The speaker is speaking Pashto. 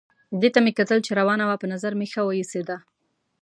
دې ته مې کتل چې روانه وه، په نظر مې ښه وه ایسېده.